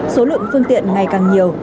số lượng phương tiện ngày càng nhiều